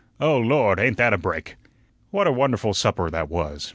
Oh, Lord, ain't that a break!" What a wonderful supper that was!